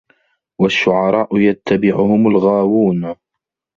وَالشُّعَراءُ يَتَّبِعُهُمُ الغاوونَ